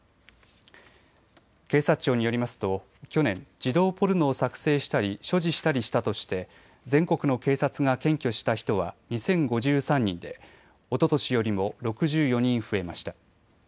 警察庁によりますと去年、児童ポルノを作成したり所持したりしたとして全国の警察が検挙した人は２０５３人でおととしよりも６４人増えました。